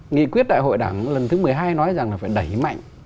nghị quyết đại hội đảng lần thứ một mươi hai nói rằng là phải đẩy mạnh